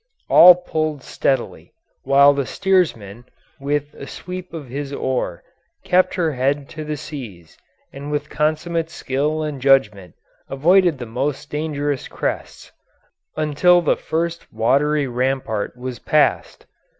All pulled steadily, while the steersman, with a sweep of his oar, kept her head to the seas and with consummate skill and judgment avoided the most dangerous crests, until the first watery rampart was passed.